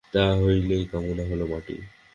তা থাকলেই কামনা হল মাটি।